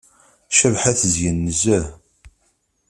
Cabḥa tezyen nezzeh.